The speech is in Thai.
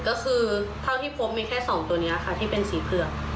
ก็คือเท่าที่พบมีแค่๒ตัวนี้ค่ะที่เป็นสีเผือก